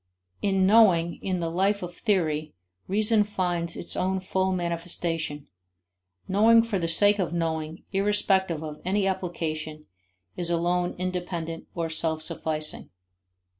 In knowing, in the life of theory, reason finds its own full manifestation; knowing for the sake of knowing irrespective of any application is alone independent, or self sufficing.